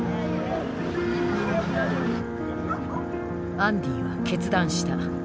アンディは決断した。